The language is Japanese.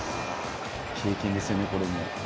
経験ですよね、これも。